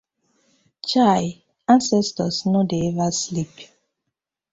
Chaaah!! Ancestors no dey ever sleep.